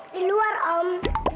di luar om